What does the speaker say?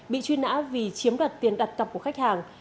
bị truy nã vì chiếm đoạt tiền đặt cọc của khách hàng